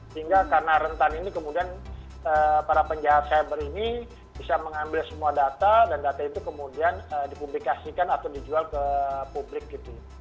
sehingga karena rentan ini kemudian para penjahat cyber ini bisa mengambil semua data dan data itu kemudian dipublikasikan atau dijual ke publik gitu